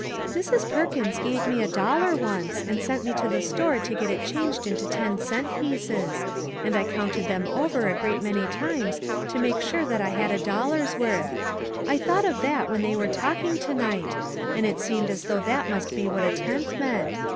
" Mrs. Perkins gave me a dollar, once, and sent me to the store to get it changed into ten cent pieces; and I counted them over a great many times to make sure that I had a dollar's worth. I thought of that when they were talk ing to night, and it seemed as though that must be what a tenth meant.